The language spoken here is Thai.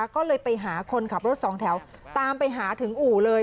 ก็เลยไปหาคนขับรถสองแถวตามไปหาถึงอู่เลย